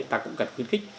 ta cũng cần khuyến khích